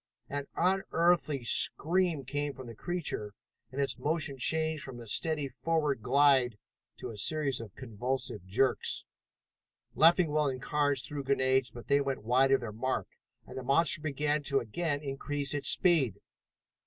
An unearthly scream came from the creature, and its motion changed from a steady forward glide to a series of convulsive jerks. Leffingwell and Carnes threw grenades, but they went wide of their mark, and the monster began to again increase its speed.